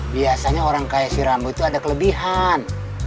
biasanya orang kaya si rambo itu ada kelebihan